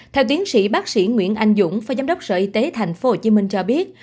theo tiến sĩ bác sĩ nguyễn anh dũng phó giám đốc sở y tế tp hcm cho biết